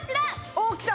おっ来た！